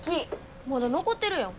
まだ残ってるやん。